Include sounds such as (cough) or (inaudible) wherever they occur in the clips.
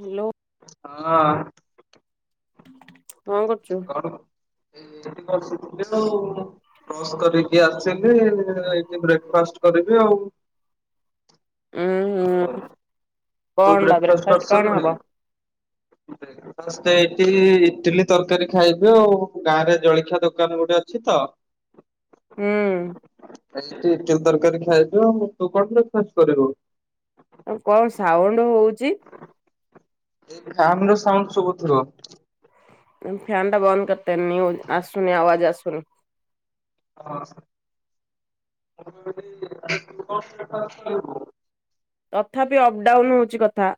Hello. ହଁ। କଣ କରୁଚୁ? କଣ ଏଇଠି ବସିଥିଲି ତ ଆଉ ବ୍ରସ୍ କରିକି ଆସିଲି, ଏଇଠି ବ୍ରେକ୍ ଫାଷ୍ଟ କରିବି ଆଉ। ଉଁ ଆଉ ହୁଁ, ତୁ କଣ ବାବୁ ରେ ବ୍ରେକ୍ ଫାଷ୍ଟ କଣ ହବ? (unintelligible) ବ୍ରେକ୍ ଫାଷ୍ଟ୍ ଇଟିଲି, ଇଟିଲି ତରକାରୀ ଖାଇବୁ ଆଉ, ଗାଁ ରେ ଜଳଖିଆ ଦୋକାନ ଗୋଟେ ଅଛି ତ ହୁଁ ଏମିତି ଇଟିଲି ତରକାରୀ ଖାଇବୁ ଆଉ, ତୁ କଣ ବ୍ରେକ୍ ଫାଷ୍ଟ କରିବୁ? ଆଉ କଣ ସାଉଣ୍ଡ ହଉଚି? ଏଇ ଫ୍ୟାନ୍ ର ସାଉଣ୍ଡ ଶୁବୁ ଥିବ? ଫ୍ୟାନ୍ ଟା ବନ୍ଦ କରଦେ, ନିନ୍ୟୁଜ ଆସୁନି ଆବାଜ୍ ଆସୁନି। ହଁ, ଆଉ ମୁଁ କହିଲି ତୁ କଣ ବ୍ରେକ୍ ଫାଷ୍ଟ କରିବୁ? ତଥାପି ଅପ ଡାଉନ୍ ହଉଚି କଥା।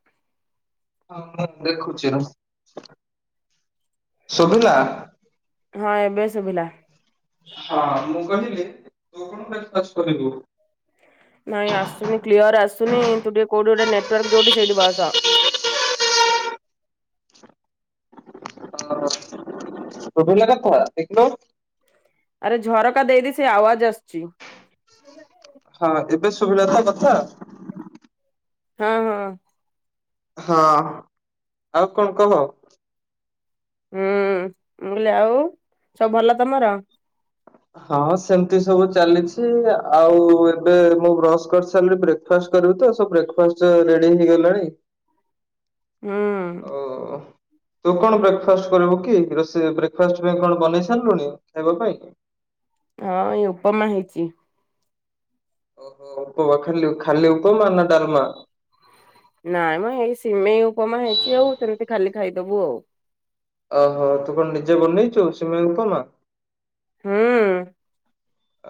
ହଁ ହଁ, ଦେଖୁଚି ରହ, ଶୁଭିଲା? ହଁ ଏବେ ଶୁଭିଲା। ହଁ, ମୁଁ କହିଲି ତୁ କଣ ବ୍ରେକ୍ ଫାଷ୍ଟ୍ କରିିବୁ? ନାଇଁ ଆସୁନି କ୍ଲିୟର ଆସୁନି, ତୁ ଟିକେ କୋଉଠି ଗୋଟେନେଟୱର୍କ ଯୋଉଠି ସେଇଠି ବସ। ହଁ, ଶୁବିଲା କଥା, ଦେଖିଲ? ଆରେ ଝରକା ଦେଇଦେ, ସେଇ ଆୱଜ ଆସୁଛି। ହଁ ଏବେ ଶୁଭିଲା ତ କଥା? ହଁ ହଁ। ହଁ, ଆଉ କଣ କହ? ହୁଁ, ମୁଁ କହିଲି ଆଉ, ସବୁ ଭଲ ତମର? ହଁ ସେମିତି ସବୁ ଚାଲିଛି ଆଉ ଏବେ ମୁଁ ବ୍ରଶ କରି ସାରିଲିପରେ ବ୍ରେକ୍ଫାଷ୍ଟ କରିବୁ ତ ସବୁ ବ୍ରେକ୍ଫାଷ୍ଟ ରେଡି ହେଇଗଲାଣି। ହୁଁ ଓ ତୁ କଣ ବ୍ରେକଫାଷ୍ଟ କରିବୁ କି ରୋଷେଇ ବ୍ରେକ୍ଫାଷ୍ଟ ପାଇଁ କଣ ବନେଇ ସାରିଲୁଣି ଖାଇବା ପାଇଁ ହଁ ଏଇ ଉପମା ହେଇଛି। ଓହୋ ଉପମା ଖାଲି ଖାଲି ଉପମା ନା ଡଲମା ନାଇଁ ମଏଇ ସିମେଇ ଉପମା ହେଇଛି ଆଉ ସେମିତି ଖାଲି ଖାଇଦବୁ ଆଉ ଓହୋ ତୁ କଣ ନିଜେ ବନେଇଛୁ ସିମେଇ ଉପମା। ହୁଁ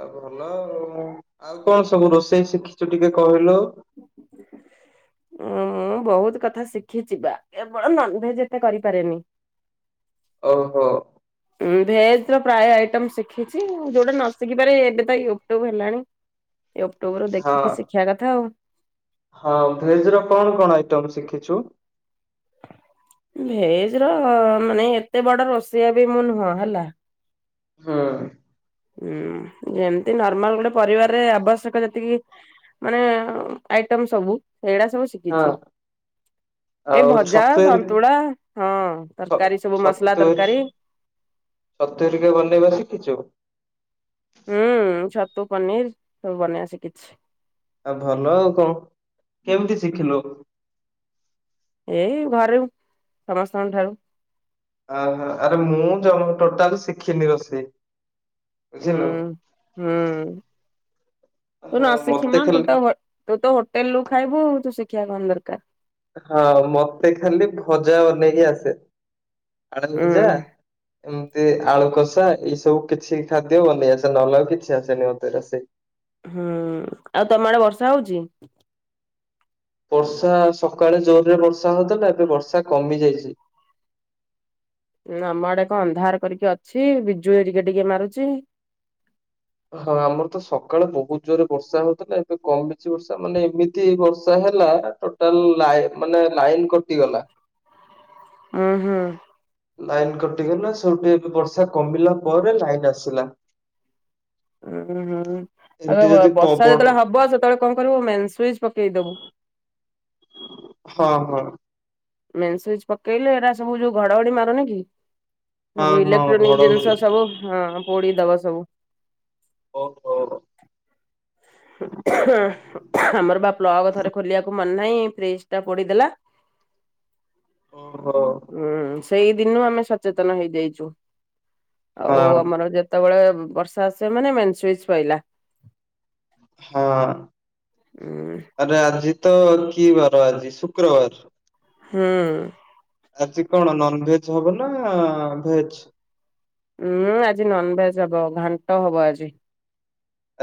ଆଉ ଭଲ ଆଉ କଣ ସବୁ ରୋଷେଇ ଶିଖିଛୁ ଟିକେ କହିଲୁ। ଉ ମୁଁ ବହୁତ କଥା ଶିଖିଛି ବା କେବଳ ନନଭେଜଟା କରିପାରେନି। ଓହୋ ଉଁ ଭେଜ ର ପ୍ରାୟ ଆଇଟମ ଶିଖିଛି ଯୋଉଟା ନ ଶିଖିପାରେ ଏବେ ତ ୟୁଟ୍ୟୁବ ହେଲାଣି। ୟୁଟୁବରୁ ହଁ ଦେଖିକି ଶିଖିବା କଥା ଆଉ ହଁ ଭେଜ ର କଣ କଣ ଆଇଟମ ଶିଖିଛୁ। ଭେଜ ର ମାନେ ଏତେ ବଡ଼ ରୋଷେଇଆ ବି ମୁଁ ନୁହଁ ହେଲା। ହ ଯେମତି ନର୍ମାଲ ଗୋଟେ ପରିବାରରେ ଆବଶ୍ୟକ ଯେତିକି ମାନେ ଆଇଟମ ସବୁ ସେଇଗୁଡା ସବୁ ହଁ ଶିଖିଛି। ଏଇ ଆଉ ଭଜା ଛତୁ ହେରିକା ସନ୍ତୁଳା ହଁ ତରକାରୀ ସବୁ ମସଲା ତରକାରୀ। (unintelligible) ତୁ ଟିକେ ବନେଇବା ଶିଖିଛୁ। ହୁଁ ଛତୁ ପନିର ସବୁ ବନେଇବା ଶିଖିଚି ଆ ଭଲ ଆଉ କଣ କେମିତି ଶିଖିଲୁ। ଏଇ ଘରୁ ସମସ୍ତଙ୍କ ଠାରୁ। ଅହୋ ଆରେ ମୁଁ ଜମା ଟୋଟାଲ ଶିଖିନି ରୋଷେଇ। ବୁଝିଲୁ। ହୁଁ ହୁଁ। ତୁ ହଁ ନ ମତେ ଶିଖିମା ତୁ ଖାଲି ତ ତୁ ତ ହୋଟେଲ ରୁ ଖାଇବୁ ତୁ ଶିଖିବା କଣ ଦରକାର। ହଁ ମତେ ଖାଲି ଭଜା ବନେଇକି ଆସେ ଆଳୁ ଉଁ ଭଜା। ଏମିତି ଆଳୁ କଷା ଏଇ ସବୁ କିଛି ଖାଦ୍ୟ ବନେଇ ଆସେ ନହଲେ କିଛି ଆସେନି ମୋତେ ରୋଷେଇ। ହୁଁ ଆଉ ତମ ଆଡେ ବର୍ଷା ହଉଛି। ବର୍ଷା ସକାଳେ ଜୋର ରେ ବର୍ଷା ହଉଥିଲା ଏବେ ବର୍ଷା କମି ଯାଇଛି। ଆମ ଆଡେ କଣ ଅନ୍ଧାର କରିକି ଅଛି ବିଜୁ ଏ ଟିକେ ଟିକେ ମାରୁଛି। ହଁ ଆମର ତ ସକାଳେ ବହୁତ ଜୋରେ ବର୍ଷା ହଉଥିଲା ଏବେ କମ ବେଶି ବର୍ଷା ମାନେ ଏମିତି ବର୍ଷା ହେଲା। ଟୋଟାଲ ମାନେ ଲାଇନ କଟିଗଲା। ହୁଁ ହୁଁ। ଲାଇନ କଟିିଗଲା ସେଉଠୁ ବର୍ଷା କମିଲା ପରେ ଲାଇନ ଆସିଲା। ଉଁ ଏମିତି ହୁଁ ଆ ଯଦି ବର୍ଷା ପବନ ଯେତେବେଳେ ହବ ସେତେବେଳେ କଣ କରିବୁ ମେନ୍ ସୁଇଚ ପକେଇଦବୁ। ହଁ ହଁ। ମେନ୍ ସୁଇଚ୍ ପକେଇଲେ ଏଇଟା ସବୁ ଯୋଉ ଘଡଘଡି ମାରୁନି କି। ସବୁ ହଁ ହଁ ଇଲେକ୍ଟ୍ରୋନିକ ଜିନିଷ ଘଡଘଡି ସବୁ ହଁ ପୋଡି ଦବା ସବୁ। ଓହ। ହଁ ଆମର ବା ପ୍ଲଗ ଥରେ ଖୋଲିବାକୁ ମନେ ନାହିଁ ଫ୍ରିଜ ଟା ପୋଡିଦେଲା। (inaudible) ଓହୋ। ହୁଁ ସେଇ ଦିନୁ ଆମେ ସଚେତନ ହେଇଯାଇଚୁ ହଁ ଆଉ ଆମର ଯେ ଯେତେବେଳେ ବର୍ଷା ଆସିବ ମାନେ ମେନ୍ ସୁଇଚ୍ ପଇଲା। ହଁ। ହୁଁ। ଆରେ ଆଜିତ କିବାର ଆଜି ଶୁକ୍ରବାର ହୁଁ। ଆଜି କଣ ନନ୍ ଭେଜ୍ ହବନା ଭେଜ୍? ଉଁ ଆଜି ନନଭେଜ୍ ହବ ଘାଣ୍ଟ ହବ ଆଜି।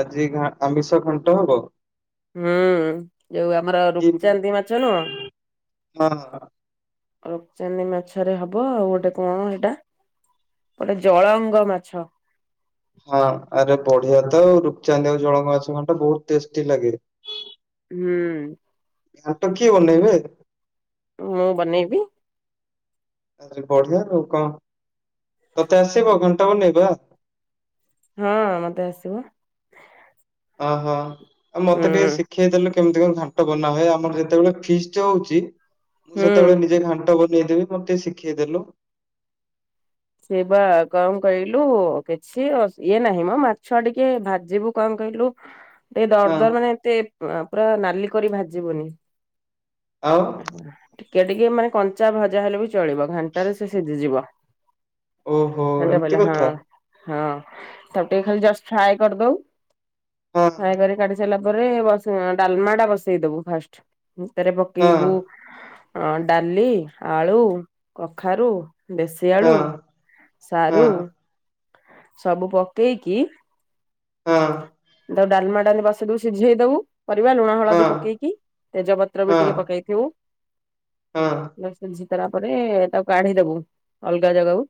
ଆଜି ଘା ଆମିଷ ଖଣ୍ଟ ହବ? ହୁଁ ଯୋଉ ଆମର କି ରୁପଚାନ୍ତି ମାଛ ନୁହଁ ହଁ। ରୁପଚାନ୍ଦି ମାଛରେ ହବ ଆଉ ଗୋଟେ କଣ ହେଟା ଗୋଟେ ଜଳଙ୍ଗ ମାଛ ହଁ ଆରେ ବଢିଆତ ରୁପଚାନ୍ଦି ଆଉ ଜଳଙ୍ଗ ମାଛ ଘାଣ୍ଡ ବହୁତ୍ ଟେଷ୍ଟି ଲାଗେ। ହୁଁ। ଘାଣ୍ଟ କିଏ ବନେଇବେ? ମୁଁ ବନେଇବି। ଆରେ ବଢିଆ ଆଉ କଁ ତତେ ଆସିବ ଘଣ୍ଟା ବନେଇବା? ହଁ ମତେ ଆସିବ। ଅଁ ହଁ ଆଉ ହୁଁ ମତେ ଟିକେ ଶି ଖିଇ ଦେଲେ କେମିତି କଣ ଘାଣ୍ଟ ବନାହୁଏ ଆମର ଯେତେବେଳେ ଫିସ୍ଟି ହଉଚି ମୁଁ ହୁଁ। ସେତେବେଳେ ନିଜେ ଘାଣ୍ଟ ବନେଇଦେବି ମତେ ଟିକେ ଶିଖେଇଦେଲୁ। ସେ ବା କଣ କହିଲୁ କିଛି ଇଏ ନାହିଁମୋ ମାଛ ଟିକେ ଭାଜିବୁ କଣ କହିଲୁ ଟିକେ ହଁ ଦରଦର ମାନେ ଏତେ ପୁରା ନାଲି କରି ଭାଜିବୁନି ଆଉ? ଟିକେ ଟିକେ ମାନେ କଞ୍ଚା ଭଜା ହେଲେବି ଚଳିବ ଘାଣ୍ଟାରେ ସେ ସିଝିଯିବ। ଓହୋ ଘାଣ୍ଟରେ ଏମିତି ପାଇଲେ ହଁ କଥା ହଁ ତାକୁ ଟିକେ ଖାଲିଜଷ୍ଟ ଫ୍ରାଏ କରିଦବୁ ହଁ ଫ୍ରାଏ କରି କାଢିସାରିଲା ପରେ ଡାଲମାଟା ବସେଇ ଦବୁ ଫାଷ୍ଟ ଭିତରେ ହଁ ପକେଇବୁ ଅଁ ଡାଲି ଆଳୁ କଖାରୁ ଦେଶୀ ଆଳୁ ହଁ ହଁ ସାରୁ ସବୁ ପକେଇକି ହଁ। ତାପରେ ଡାଲମା ଡାଲି ବସିଦବୁ ସିଝେଇ ଦବୁ ପରିବା ଲୁଣ ହଁ ହଳଦୀ ପକେଇକି ତେଜପତ୍ରବି ହଁ ଟିକେ ପକେଇଥିବୁ। ହଁ। ସିଝିଗଲା ପରେ ତାକୁ କାଢିଦବୁ ଅଲଗା ଜାଗାକୁ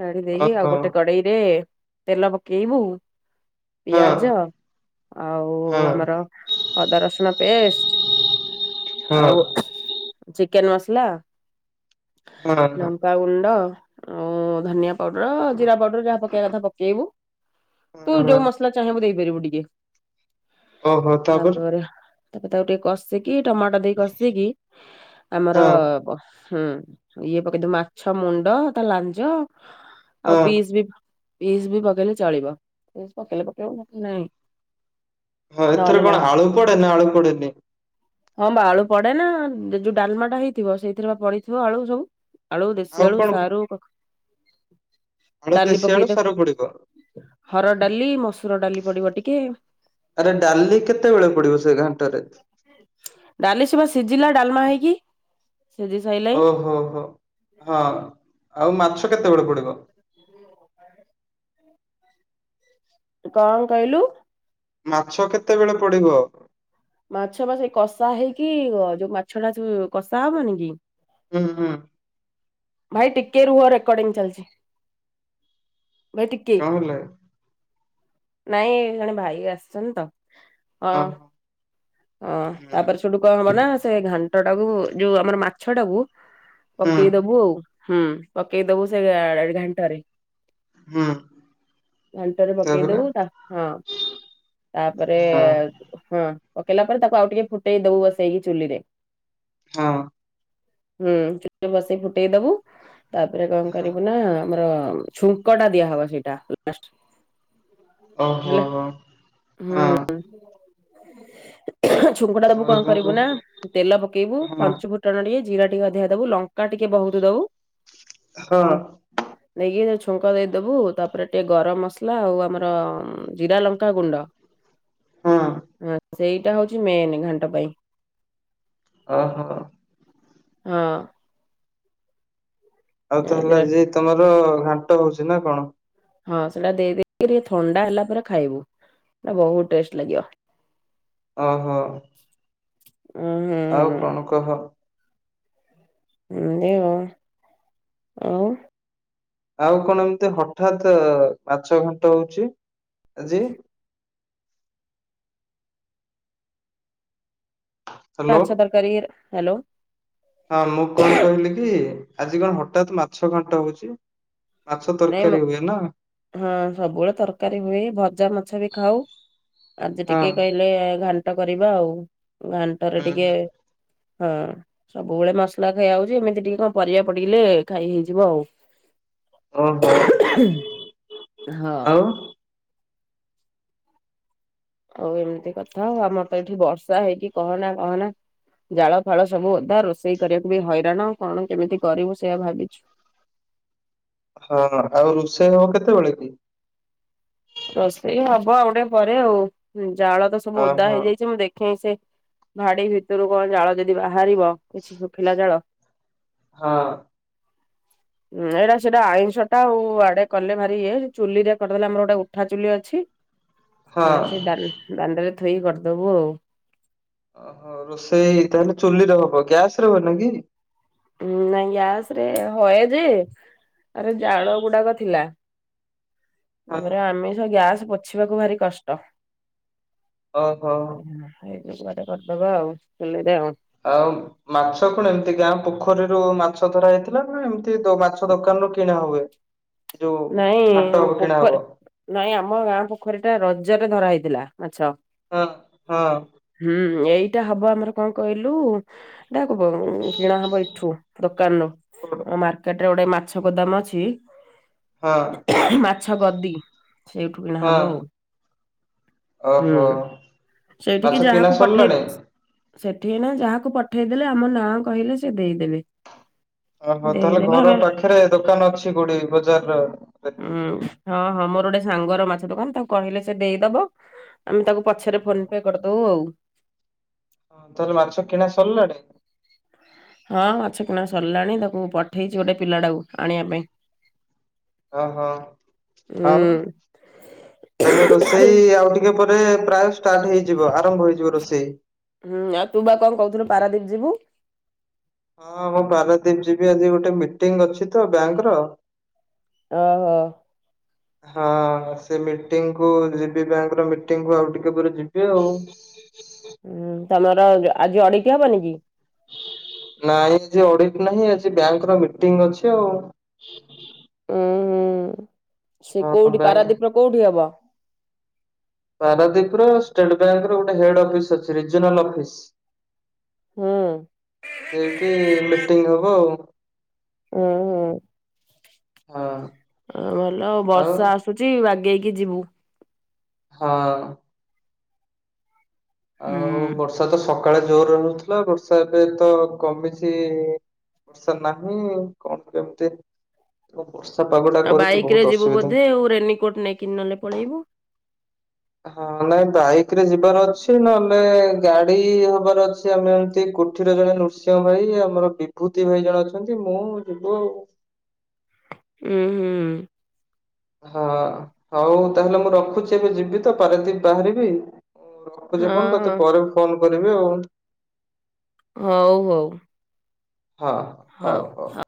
କାଢ଼ି ଦେଇ ଆଉ ଓହୋ ଗୋଟେ କଡେଇରେ ତେଲ ପକେଇବୁ ହଁ ପିଆଜ ଆଉ ହଁ ଆମର ଅଦା ରସୁଣ ପେଷ୍ଟେ ହଁ ଚିକେନ୍ ମସଲା ହଁ ଲଙ୍କା ଗୁଣ୍ଡ ଆଉ ଧନିଆ ପାଉଡର ଜିରା ପାଉଡର ଯାହା ପକେଇବା କଥା ପକେଇବୁ ତୁ ଯୋଉ ହଁ ମସଲା ଚାହିଁବୁ ଦେଇପାରିବୁ ଟିକେ ତାପରେ ତାପରେ ତାକୁ ଟିକେ କଷିକି ଟମାଟୋ ଦେଇ କଷିକି ଆମର ହଁ, ହୁଁ ଇଏ ପକେଇଦବୁ ମାଛ ମୁଣ୍ଡ ତା ଲାଞ୍ଜ ଆଉ ହଁ, ପିସି ବି ପିସ୍ ବି ପକେଇଲେ ଚଳିବ ପିସ୍ ପକେଇଲେ ପକେଇବୁ ନହେଲେ ନାଇଁ। ହଁ ଏଥିରେ ନହେଲେ କଣ ନାହିଁ। ଆଳୁ ପଡ଼େ ନାଆଳୁ ପଡ଼େନି? ହଁ ବା ଆଳୁ ପଡ଼େନା ଯୋଉ ଡାଲମାଟା ହେଇଥିବ ସେଇଥିରେବା ପଡ଼ିଥିବ ଆଳୁ ସବୁ। ଆଳୁ ଦେଶୀ ଆଉ ଆଳୁ କଣ ସାରୁ କ ଆଳୁ ଦେଶୀ ଆଳୁ ସାରୁ ପଡ଼ିବ। ହରଡ଼ ଡ଼ାଲି, ମସୁର ଡ଼ାଲି ପଡ଼ିବ ଟିକେ। ଆରେ ଡ଼ାଲି କେତେବେଳେ ପଡ଼ିବ ସେ ଘାଣ୍ଟରେ? ଡ଼ାଲି ସିଏ ବା ସିଝିଲା ଡ଼ାଲମା ହେଇକି। ସିଝି ସାଇଲାଇଁ ଓ ହୋ ହୋ ହଁ ଆଉ ମାଛ କେତେବେଳେ ପଡ଼ିବ? କଣ କହିଲୁ? ମାଛ କେତେବେଳେ ପଡ଼ିବ? ମାଛ ବା ସେଇ କଷା ହେଇକି ଯୋଉ ମାଛ ଟା ସବୁ କଷା ହବନି କି। ହୁଁ ହୁଁ। ଭାଇ ଟିକେ ରୁହ ରେକର୍ଡି଼ଙ୍ଗ୍ ଚାଲିଛି ଭାଇ ଟିକେ କଣ ହେଲା? ନାଇଁ ଜଣେ ଭାଇ ଆସିଛନ୍ତି ତ ହଁ। ଅଁ ହୁଁ, ତାପରେ ସେଠୁ କଣ ହବ ନା ସେ ଘାଣ୍ଟ ଟାକୁ ଯୋଉ ଆମର ମାଛ ଟାକୁ ହୁଁ, ପକେଇଦବୁ ଆଉ ହୁଁ ପକେଇଦବୁ ସେ ଘା ଘାଣ୍ଟରେ। ହୁଁ ଘାଣ୍ଟାରେ ପକେଇ ତାପରେ ଦବୁ ତା ହଁ ତାପରେ ହଁ, ହଁ। ପକେଇଲା ପରେ ତାକୁ ଆଉ ଟିକେ ଫୁଟେଇ ଦବୁ ବସେଇକି ଚୁଲିରେ। ହଁ। ହୁଁ ଟିକେ ବସେଇ ଫୁଟେଇ ଦବୁ ତାପରେ କଣ ହଁ କରିବୁ ନା ଆମର ଛୁଙ୍କ ଟା ଦିଆ ହବ ସେଇ ଟା ଲାଷ୍ଟ୍। ଓହୋ! ହେଲା ହୋ। ହୁଁ। ଛୁଙ୍କ ଟା ଦବୁ ହଁ ଆଉ କଣ ତାପରେ କରିବୁ ନା ତେଲ ପକେଇବୁ ହଁ, ଫଞ୍ଚୁ ଫୁଟଣ ଟିକେ ଜିରା ଟିକେ ଅଧିକା ଦବୁ ଲଙ୍କା ଟିକେ ବହୁତ୍ ଦବୁ। ହଁ। (inaudible) ନେଇକି ଛୁଙ୍କ ଦେଇଦବୁ ତାପରେ ଟିକେ ଗରମ ମସଲା ଆଉ ଆମର ଜିରା ଲଙ୍କା ଗୁଣ୍ଡ। ହଁ। ହଁ ସେଇଟା ହଉଛି ମେନ୍ ଘାଣ୍ଟ ପାଇଁ। ଓ ହୋ। ହଁ। ଆଉ ତାହେଲେ ଜିରା ଯେ ତମର ଘାଣ୍ଟ ହଉଛି ନା କଣ? ହଁ ସେଇଟା ଦେଇକିରି ଥଣ୍ଡା ହେଲା ପରେ ଖାଇବୁ। ବହୁତ୍ ଟେଷ୍ଟ୍ ଲାଗିବ। ଓ ହୋ। ହୁଁ ହୁଁ। ଆଉ କଣ କହ? ଏମିତି ଆଉ ଆଉ। ଆଉ କଣ ଏମତି ହଠାତ୍ ମାଛ ଘାଣ୍ଟ ହଉଛି ଆଜି? ହ୍ୟାଲୋ ମାଛ ତରକାରୀ ଇଏ ରେ ହାଲୋ। ହଁ ମୁଁ କଣ କହିଲି କି ଆଜି କଣ ହଠାତ୍ ମାଛ ଘାଣ୍ଟ ହଉଛି। ମାଛ ନାଇଁ ମ ତରକାରୀ ହୁଏ ନା? ହଁ ସବୁବେଳେ ତରକାରୀ ହୁଏ ଭଜା ମାଛ ବି ଖାଉ। ଆଜି ହଁ ଟିକେ କହିଲେ ଘାଣ୍ଟ କରିବା ଆଉ ଘାଣ୍ଟରେ ହୁଁ ଟିକେ ହୁଁ ହଁ ସବୁବେଳେ ମସଲା ଖିଆ ହଉଛି ଏମିତି ଟିକେ କଣ ପରିବା ପଡ଼ିଗଲେ ଖାଇ ହେଇଯିବ ଆଉ। ଓହୋ (unintelligible) ଆଉ ହଁ। ଆଉ ଏମିତି କଥା ଆଉ ଆମର ତ ଏଠି ବର୍ଷା ହେଇକି କହନା କହନା ଜାଳ ଫାଳ ସବୁ ଓଦା। ରୋଷେଇ କରିବାକୁ ବି ହଇରାଣ। କଣ କେମିତି କରିବୁ ସେଇୟା ଭାବିଛୁ? ହଁ ହଁ ଆଉ ରୋଷେଇ ହବ କେତେବେଳେ କି? ରୋଷେଇ ହବ ଆଉ ଟିକେ ପରେ ଆଉ। ଜାଳ ତ ସବୁ ଓଦା ଓହୋ ହେଇଯାଇଛି। ମୁଁ ଦେଖେଇ ସା ଭାଡି ଭିତରେ କଣ ଜାଳ ଯଦି ବାହାରିବ କିଛି ଶୁଖିଲା ଜାଳ। ହଁ। ହୁଁ ଏଇଟା ସେଇଟା ଆଇଁଷଟା ଆଉ ଆଡେ କଲେ ଭାରି ଇଏ ଚୁଲିରେ କରିଦେଲେ ଆମର ଗୋଟେ- ଭାବିଲି ଅଛି। ହଁ। ସେଟା ସେଇ ଦାଣ୍ଡ- ଦାଣ୍ଡରେ ଥୋଇ କରିଦବୁ ଆଉ। ଓହୋ ରୋଷେଇ ତାହେଲେ ଚୁଲିରେ ହବ। ଗ୍ୟାସରେ ହଉନି କି? ଉଁ ନାଇଁ ଗ୍ୟାସରେ ହଏ ଯେ ଆରେ ଜାଳ ଗୁଡାକ ଥିଲା। ହଁ ତାପରେ ଆମିଷ ଗ୍ୟାସ ପୋଛିବାକୁ ଭାରି କଷ୍ଟ। ଓହୋ ଏଇଟା ଟିକେ କରିଦବା ଆଉ ଚୁଲିରେ ଆଉ ମାଛ କଣ ଏମିତି ଗାଁ ପୋଖରୀରୁ ମାଛ ଧରା ହେଇଥିଲା ନା ଏମ ସେ ତ ମାଛ ଦୋକାନରୁୁ କିଣା ହୁଏ? ଯୋଉ ଘାଟ ନାଇଁ ହବ କିଣା ହବ ପୋଖରି ନାଇଁ ଆମ ଗାଁ ପୋଖରୀଟା ରଜରେ ଧରା ହେଇଥିଲା ମାଛ। ହଁ ହଁ ହୁଁ। ଏଇଟା ହବ ଆମର କଣ କହିଲୁ? ଡାକୁ କିଣା ହବ ଏଠୁ ଦୋକାନରୁ ମାର୍କେଟରେ ଗୋଟେ ମା ମାଛ ଗୋଦାମ ଅଛି। ହଁ। ମାଛ ଗଦି ସେଇଠୁ କିଣା ହଁ ହବ ଆଉ। ହୁଁ। ଓହୋ ସେଇଠିକି ମାଛ କିଣା ଯାହାକୁ ପଠେଇ- ସରିଲାଣି ସେଠି ନା ଯାହାକୁ ପଠେଇଦେଲେ ଆମ ନାଁ କହିଲେ ସେ ଦେଇଦେବେ। ଓହୋ ତାହେଲେ ଦେଇଦେବେ ଘର ଆମେ ପାଖରେ ଦୋକାନ ଅଛି କୋଉଠି ବଜାରର। ଉଁ ହଁ ହଁ ମୋର ଗୋଟେ ସାଙ୍ଗର ମାଛ ଦୋକାନ, ତାକୁ କହିଲେ ସେ ଦେଇଦବ। ଆମେ ତାକୁ ପଛରେ ଫୋନ ପେ କରିଦଉ ଆଉ ତୋର ମାଛ କିଣା ସରିଲାଣି? ହଁ ମାଛ କିଣା ସରିଲାଣି ତାକୁ ପଠେଇଛି ଗୋଟେ ପିଲାଟାକୁ ଆଣିବା ପାଇଁ। ଓହୋ ଆଉ ହୁଁ ତାହେଲେ ରୋଷେଇ ଆଉ ଟିକ- ଟିକେ ପରେ ପ୍ରାୟ ଷ୍ଟାର୍ଟ ହେଇଯିବ ଆରମ୍ଭ ହୋଇଯିବ ରୋଷେଇ। ହୁଁ ଆଉ ତୁ ବା କଣ କହୁଥିଲୁ ପାରାଦୀପ ଯିବୁ? ହଁ ମୁଁ ପାରାଦ୍ୱୀପ ଯିବି ଆଜି ଗୋଟେ ମିଟିଂ ଅଛି ତ ବ୍ୟାଙ୍କର। ଓହୋ। ହଁ ସେ ମିଟିଙ୍ଗକୁ ଯିବି ବ୍ୟାଙ୍କର ମିଟିଙ୍ଗକୁ ଆଉ ଟିକେ ପରେ ଯିବି ଆଉ। ହୁଁ ତମର ଆଜି ଅଡିଟ ହବନି କି। ନାଇଁ ଯେ ଅଡିଟ୍ ନାହିଁ ଆଜି ବ୍ୟାଙ୍କର ମିଟିଂ ଅଛି ଆଉ ଉୁଁ ହୁଁ ସେ ହଁ କୋଉଠି ବ୍ୟାଙ୍କ ପାରାଦ୍ୱୀପର କୋଉଠି ହବ। ପାରାଦ୍ୱୀପର ଷ୍ଟେଟ୍ ବ୍ୟାଙ୍କର ଗୋଟେ ହେଡ ଅଫିସ ଅଛି ରିଜୋନାଲ ଅଫିସ ହୁଁ ସେଇଠି ମିଟିଂ ହବ ଆଉ। ଉଁ ହୁଁ ଆଉ ଭଲ ହଁ ଆଉ ବର୍ଷା ଆସ ଉଛି ବାଗେଇକି ଯିବୁ। ହଁ। ଆଉ ହୁଁ ବର୍ଷା ତ ସକାଳେ ଜୋରରେ ହୋଉଥିଲା ବର୍ଷା ଏବେ ତ କମିଛି। ବର୍ଷା ନାହିଁ କଣ କେମିତି ବର୍ଷା ପାଗଟା ଆଉ କରିଛି ବହୁତ ବାଇକରେ ଯିବୁ ଅସୁବିଧା। ବୋଧେ ଆଉ ରେନିକୋଟ ନେଇକି ନହେଲେ ପଳେଇବୁ। ହଁ ନାଇଁ ବାଇକରେ ଯିବାର ଅଛି ନହେଲେ ଗାଡି ହବାର ଅଛି। ଆମେ ଏମତି କୋଠିର ଜଣେ ନୃସିଂହ ଭାଇ ଆମର ବିଭୂତି ଭାଇ ଜଣେ ଅଛନ୍ତି ମୁଁ ଯିବୁ ଆଉ। ଉଁ ହୁଁ। ହଁ ହଉ ତାହେଲେ ମୁଁ ରଖୁଛି ଏବେ ଯିବି ତ ପାରାଦ୍ଵୀପ ବାହାରିବି। ରଖୁଛି ହଁ ଫୋନ ହଁ ତତେ ପରେ ଫୋନ କରିବି ଆଉ। ହଉ ହଉ। ହଁ ହଉ ହଉ।